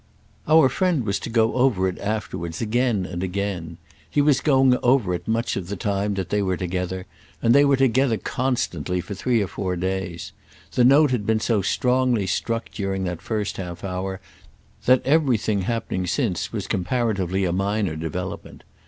Our friend was to go over it afterwards again and again—he was going over it much of the time that they were together, and they were together constantly for three or four days: the note had been so strongly struck during that first half hour that everything happening since was comparatively a minor development.